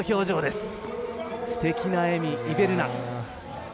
すてきな笑み、イベルナ。